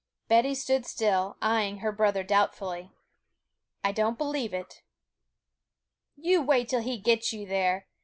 Betty stood still, eyeing her brother doubtfully. 'I don't believe it.' 'You wait till he gets you there!